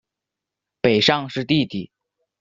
北尚是弟弟。